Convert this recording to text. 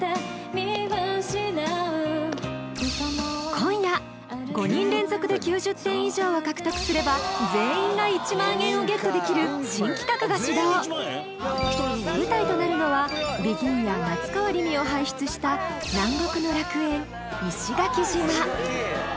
今夜５人連続で９０点以上を獲得すれば全員が１万円をゲットできる新企画が始動舞台となるのはＢＥＧＩＮや夏川りみを輩出した南国の楽園石垣島